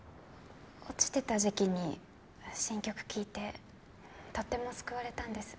落ちてた時期に新曲聴いてとっても救われたんです。